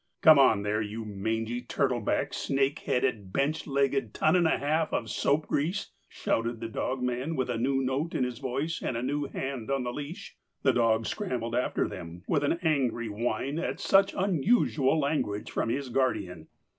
"Come on, there, you mangy, turtle backed, snake headed, bench legged ton and a half of soap grease!" shouted the dogman, with a new note in his voice and a new hand on the leash. The dog scrambled after them, with an angry whine at such unusual language from his guardian.